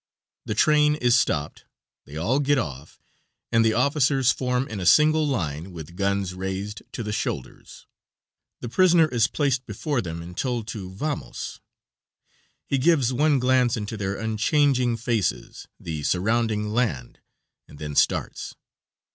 The train is stopped, they all get off, and the officers form in a single line, with guns raised to the shoulders. The prisoner is placed before them and told to Vamos. He gives one glance into their unchanging faces, the surrounding land, and then starts.